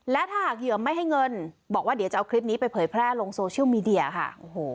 และถ้าหากเหยื่อไม่ให้เงินบอกว่าเดี๋ยวจะเอาคลิปนี้ไปเผยแพร่ลงโซเชียลมีเดียค่ะโอ้โห